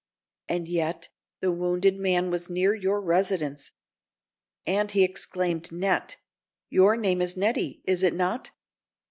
And yet, the wounded man was near your residence. And he exclaimed 'Net—'. Your name is Nettie, is it not?"